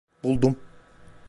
Buldum.